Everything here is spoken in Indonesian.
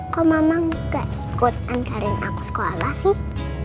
kok mama gak ikut nkrin aku sekolah sih